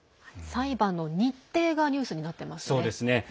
裁判の日程がニュースになってますね。